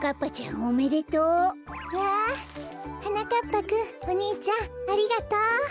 ぱくんおにいちゃんありがとう！